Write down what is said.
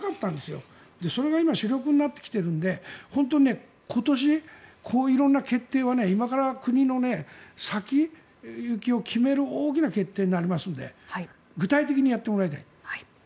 今、それが主力になってきているので本当に今年、色んな決定は今からの国の先行きを決める大きな決定になりますので具体的にやってもらいたい。